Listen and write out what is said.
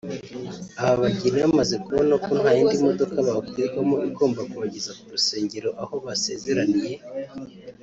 Aba bageni bamaze kubona ko nta yindi modoka bakwirwamo igomba kubageza ku rusengero aho basezeraniye